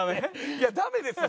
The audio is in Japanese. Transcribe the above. いやダメですよ